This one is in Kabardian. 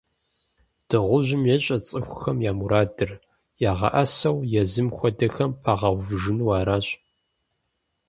Дыгъужьым ещӀэ цӀыхухэм я мурадыр - ягъэӀэсэу езым хуэдэхэм пагъэувыжыну аращ.